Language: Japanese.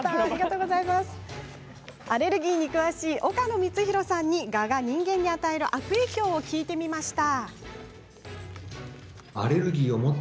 アレルギーに詳しい岡野光博さんにガが人間に与える悪影響を伺いました。